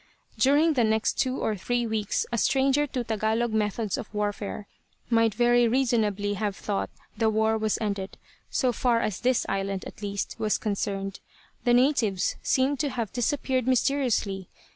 During the next two or three weeks a stranger to Tagalog methods of warfare might very reasonably have thought the war was ended, so far as this island, at least, was concerned. The natives seemed to have disappeared mysteriously.